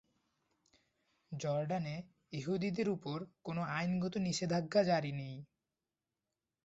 জর্ডানে ইহুদিদের উপর কোনো আইনগত নিষেধাজ্ঞা জারি নেই।